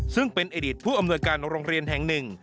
ซึ่งเป็นอดีตผู้อำนวยการโรงเรียนแห่งหนึ่ง